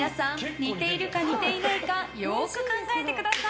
似ているか似ていないかよく考えてください］